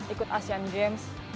ikut sea games